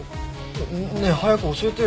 ねえ早く教えてよ。